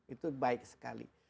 itu baik sekali